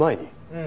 うん。